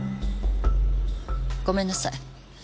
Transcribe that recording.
ごめんなさい。